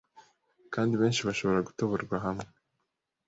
kandi benshi bashobora gutoborwa hamwe